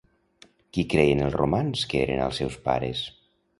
Qui creien els romans que eren els seus pares?